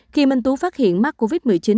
khi minh tú phát hiện mắc covid một mươi chín